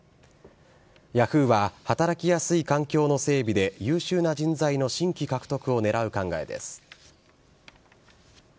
ヤフーは働きやすい環境の整備で優秀な人材の新規獲得をねらう考えです。